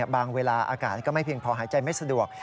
เวลาอากาศก็ไม่เพียงพอหายใจไม่สะดวก